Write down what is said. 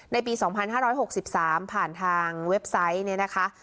ในปี๒๕๖๓ผ่านทางเว็บไซต์เนี่ยนะคะ